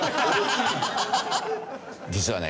実はね